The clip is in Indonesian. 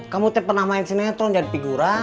kamu pernah main sinetron jadi figura